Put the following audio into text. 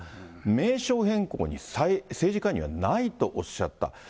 名称変更に政治介入はないとおっしゃった。